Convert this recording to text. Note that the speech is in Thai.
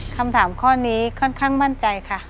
คำถามข้อนี้ค่อนข้างมั่นใจค่ะ